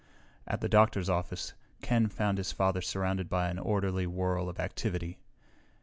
At the doctor's office, Ken found his father surrounded by an orderly whirl of activity.